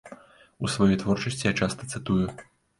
У сваёй творчасці я часта цытую.